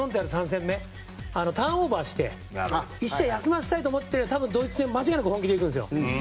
３戦目ターンオーバーして１試合休ませたいと思って多分、ドイツ戦は間違いなく本気で行くんですよ。